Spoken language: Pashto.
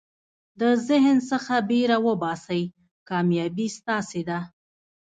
د ذهن څخه بېره وباسئ، کامیابي ستاسي ده.